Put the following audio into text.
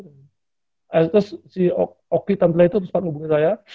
terus si hoki template itu sempat hubungin saya